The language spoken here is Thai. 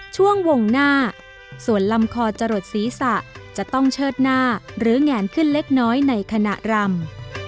ช่วงวงหน้าส่วนลำคอจะหลดศีรษะจะต้องเชิดหน้าหรือแงนขึ้นเล็กน้อยในขณะรำ